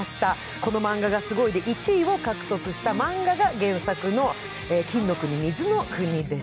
「このマンガがすごい！」で１位を獲得したマンガが原作の「金の国水の国」です。